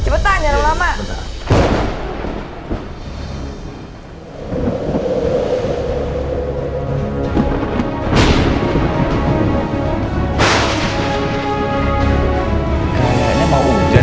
cepetan jangan lama lama